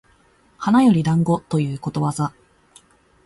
花より団子ということわざ